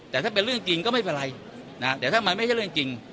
แต่ถ้าเป็นเรื่องจริงก็ไม่เป็นไรแต่ถ้ามันไม่ใช่เรื่องจริง